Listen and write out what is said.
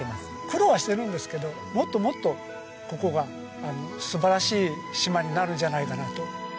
苦労はしてるんですけどもっともっとここが素晴らしい島になるんじゃないかなと。